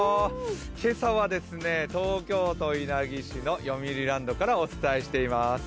今朝は東京都稲城市のよみうりランドからお伝えしています。